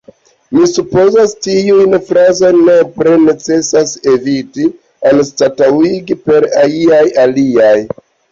Mi supozas, tiujn frazojn nepre necesas eviti, anstataŭigi per iaj aliaj.